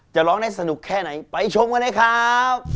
ร้องได้สนุกแค่ไหนไปชมกันเลยครับ